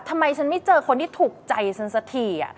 ทำไมฉันไม่เจอคนที่ถูกใจฉันสักที